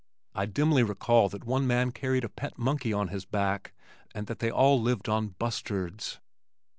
I dimly recall that one man carried a pet monkey on his back and that they all lived on "Bustards."